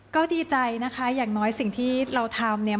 ก็ดีใจนะคะอย่างน้อยสิ่งที่เราทำเนี่ย